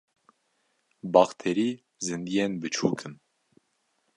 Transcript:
Bakterî zindiyên biçûk in.